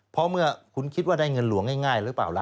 เพราะเมื่อคุณคิดว่าได้เงินหลวงง่ายหรือเปล่าล่ะ